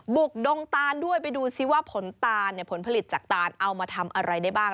กดงตานด้วยไปดูซิว่าผลตาลเนี่ยผลผลิตจากตานเอามาทำอะไรได้บ้าง